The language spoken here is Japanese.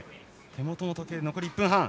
手元の時計で残り１分半。